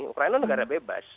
ukraina negara bebas